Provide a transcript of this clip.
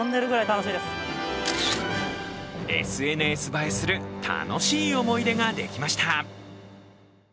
ＳＮＳ映えする楽しい思い出ができました。